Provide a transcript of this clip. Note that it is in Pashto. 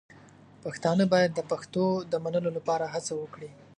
پښتانه باید د پښتو د منلو لپاره هڅه وکړي.